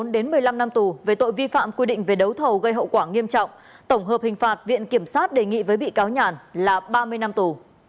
bốn một mươi năm năm tù về tội vi phạm quy định về đấu thầu gây hậu quả nghiêm trọng tổng hợp hình phạt viện kiểm sát đề nghị với bị cáo nhàn là ba mươi năm tù